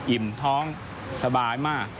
อิ่มท้องสบายมาก